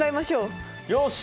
よし！